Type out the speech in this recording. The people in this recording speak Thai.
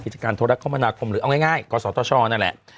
กิจการโทรคมนาคมหรือเอาง่ายกศธชนั่นแหละ